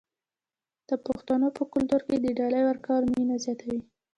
د پښتنو په کلتور کې د ډالۍ ورکول مینه زیاتوي.